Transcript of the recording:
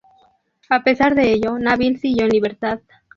A pesar de ello, Nabil siguió en libertad.